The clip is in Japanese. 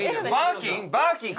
バーキン？